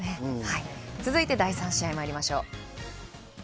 続いて第３試合にまいりましょう。